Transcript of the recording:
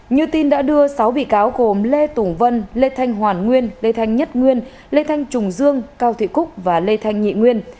như tin đã đưa sáu bị cáo gồm lê tùng vân lê thanh hoàn nguyên lê thanh nhất nguyên lê thanh trùng dương cao thị cúc và lê thanh nhị nguyên